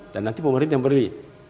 dan nanti pemerintah yang beli